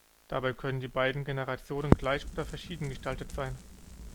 Dabei können die beiden Generationen gleich oder verschieden gestaltet sein.